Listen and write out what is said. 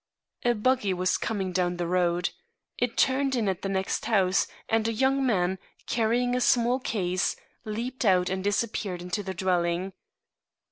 A buggy was coming down the road. It turned in at the next house, and a young man, carrying a small case, leaped out and disappeared into the dwelling.